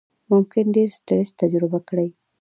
ممکن ډېر سټرس تجربه کړئ،